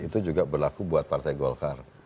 itu juga berlaku buat partai golkar